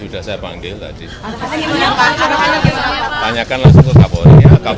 tapi kalau belum biasanya pro dan kontra